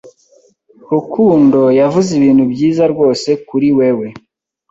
Rukundo yavuze ibintu byiza rwose kuri wewe.